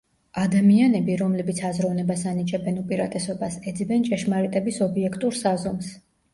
ადამიანები, რომლებიც აზროვნებას ანიჭებენ უპირატესობას, ეძებენ ჭეშმარიტების ობიექტურ საზომს.